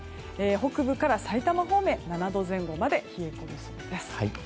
北部から埼玉方面７度前後まで冷え込みそうです。